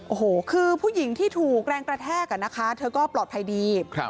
โอ้โหคือผู้หญิงที่ถูกแรงกระแทกอ่ะนะคะเธอก็ปลอดภัยดี